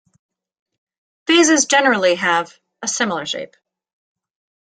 Vases generally have a similar shape.